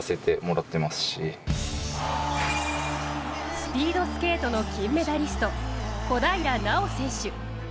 スピードスケートの金メダリスト・小平奈緒選手。